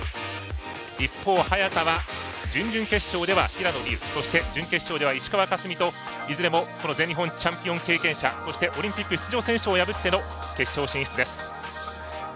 一方、早田は準々決勝では平野美宇そして準決勝では石川佳純といずれも全日本チャンピオン経験者そして、オリンピック出場選手を破っての決勝進出です。